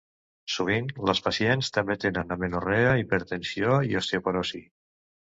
Sovint, les pacients també tenen amenorrea, hipertensió i osteoporosi.